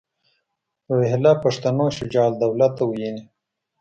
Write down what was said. روهیله پښتنو شجاع الدوله ته ویلي.